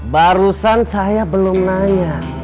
barusan saya belum nanya